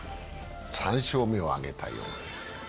３勝目を挙げたようです。